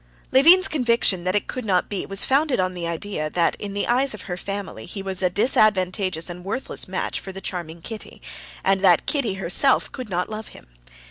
Levin's conviction that it could not be was founded on the idea that in the eyes of her family he was a disadvantageous and worthless match for the charming Kitty, and that Kitty herself could not love him.